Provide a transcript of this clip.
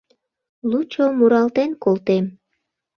Лучо муралтен колтем.